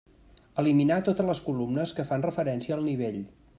Eliminar totes les columnes que fan referència al Nivell.